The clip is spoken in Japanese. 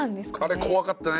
あれ怖かったね。